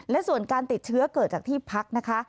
และส่วนการติดเชื้อเกิดจากที่พักนะคะ